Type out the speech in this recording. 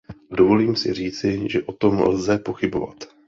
Dovolím si říci, že o tom lze pochybovat.